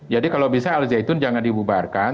jadi kalau bisa alzeitun jangan dibubarkan